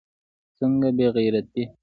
څنگه بې غيرتي.